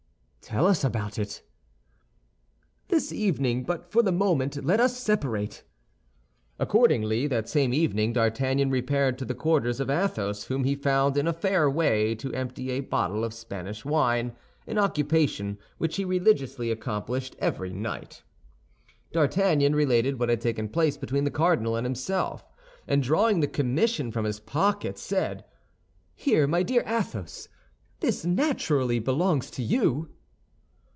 "Tell us about it." "This evening; but for the moment, let us separate." Accordingly, that same evening D'Artagnan repaired to the quarters of Athos, whom he found in a fair way to empty a bottle of Spanish wine—an occupation which he religiously accomplished every night. D'Artagnan related what had taken place between the cardinal and himself, and drawing the commission from his pocket, said, "Here, my dear Athos, this naturally belongs to you."